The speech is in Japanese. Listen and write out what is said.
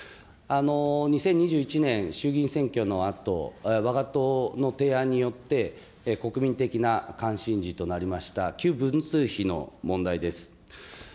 ２０２１年、衆議院選挙のあと、わが党の提案によって、国民的な関心事となりました旧文通費の問題です。